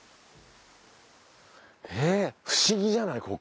ええっ不思議じゃない？